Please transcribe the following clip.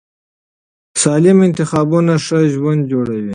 سالم انتخابونه ښه ژوند جوړوي.